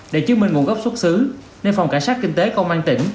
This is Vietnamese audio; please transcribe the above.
để chứng minh nguồn gốc xuất xứ nên phòng cảnh sát kinh tế công an tỉnh